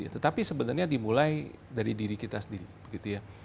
tetapi sebenarnya dimulai dari diri kita sendiri